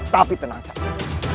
tapi tenang sekali